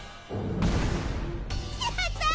やった！